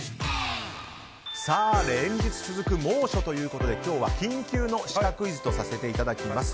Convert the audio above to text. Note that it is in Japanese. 連日続く猛暑ということで今日は緊急のシカクイズとさせていただきます。